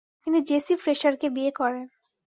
তিনি জেসি ফ্রেসারকে বিয়ে করেন।